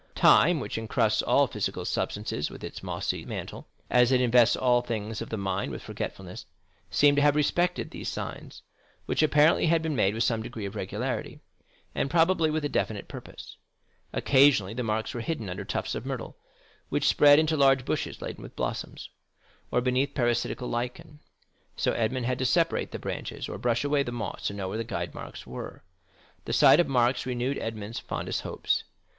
Time, which encrusts all physical substances with its mossy mantle, as it invests all things of the mind with forgetfulness, seemed to have respected these signs, which apparently had been made with some degree of regularity, and probably with a definite purpose. Occasionally the marks were hidden under tufts of myrtle, which spread into large bushes laden with blossoms, or beneath parasitical lichen. So Edmond had to separate the branches or brush away the moss to know where the guide marks were. The sight of marks renewed Edmond fondest hopes.